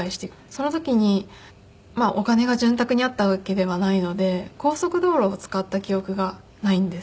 その時にお金が潤沢にあったわけではないので高速道路を使った記憶がないんです。